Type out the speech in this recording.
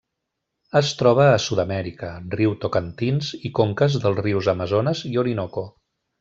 Es troba a Sud-amèrica: riu Tocantins i conques dels rius Amazones i Orinoco.